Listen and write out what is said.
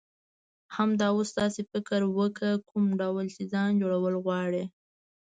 همدا اوس داسی فکر وکړه، کوم ډول چی ځان جوړول غواړی.